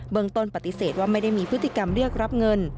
ต้นปฏิเสธว่าไม่ได้มีพฤติกรรมเรียกรับเงิน